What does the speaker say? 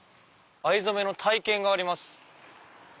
藍染めの体験があります。